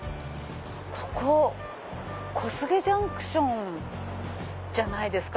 ここ小菅ジャンクションじゃないですか？